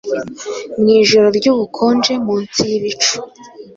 Mwijoro ryubukonje munsi y’ ibicu